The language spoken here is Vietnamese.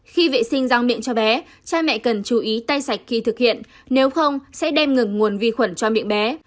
khi vệ sinh răng miệng cho bé trai mẹ cần chú ý tay sạch khi thực hiện nếu không sẽ đem ngừng nguồn vi khuẩn cho miệng bé